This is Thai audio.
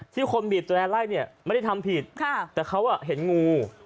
คนบีบแรร์ไล่เนี่ยไม่ได้ทำผิดแต่เขาเห็นงู